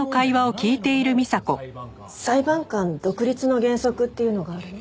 裁判官独立の原則っていうのがあるの。